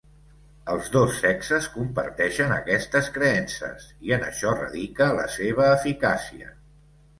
Els dos sexes comparteixen aquestes creences, i en això radica la seva eficàcia.